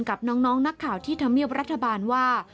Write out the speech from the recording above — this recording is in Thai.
กับน้องนักข่าวที่ธรรมเนียบรัฐบาลว่า